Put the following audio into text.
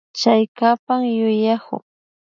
Chaykapan yuyaku